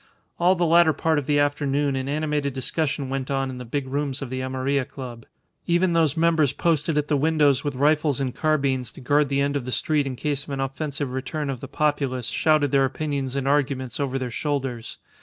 All the latter part of the afternoon an animated discussion went on in the big rooms of the Amarilla Club. Even those members posted at the windows with rifles and carbines to guard the end of the street in case of an offensive return of the populace shouted their opinions and arguments over their shoulders.